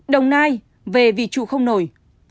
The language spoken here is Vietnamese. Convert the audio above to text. đồng nai về vì trụ không nổi